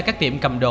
các tiệm cầm đồ